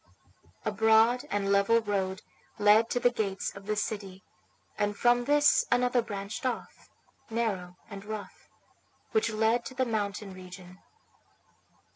A broad and level road led to the gates of the city, and from this another branched off, narrow and rough, which led to the mountain region.